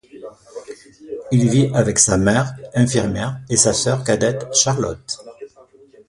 Il vit avec sa mère, infirmière, et sa sœur cadette Charlotte.